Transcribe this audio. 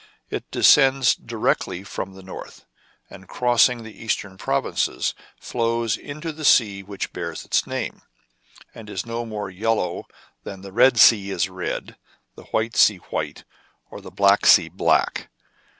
It descends directly from the north, and, crossing the eastern provinces, flows into the sea which bears its name, and is no more yellow than the Red Sea is red, the White Sea white, or the Black Sea black.